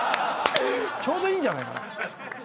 ちょうどいいんじゃないかな。